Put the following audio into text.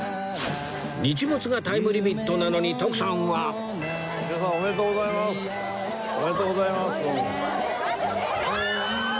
日没がタイムリミットなのに徳さんはおめでとうございますどうも。